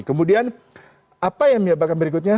kemudian apa yang menyebabkan berikutnya